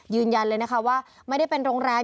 ยืนยันเลยนะคะว่าไม่ได้เป็นโรงแรม